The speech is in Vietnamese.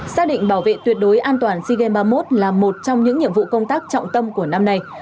xác định bảo vệ tuyệt đối an toàn sea games ba mươi một là một trong những nhiệm vụ công tác trọng tâm của năm nay